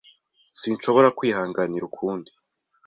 Sinshobora kwihanganira ukundi.